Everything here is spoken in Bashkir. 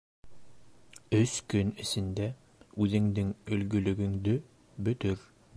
- Өс көн эсендә үҙеңдең өлгөлөгөңдө бөтөр!